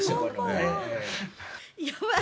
やばい！